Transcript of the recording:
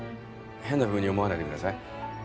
変なふうに思わないでください。